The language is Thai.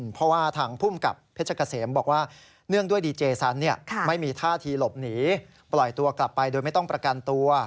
เพราะว่าทางภูมิกับเพชรเกษมบอกว่าเนื่องด้วยดีเจสันไม่มีท่าทีหลบหนีปล่อยตัวกลับไปโดยไม่ต้องประกันตัว